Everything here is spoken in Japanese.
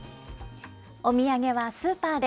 お土産はスーパーで！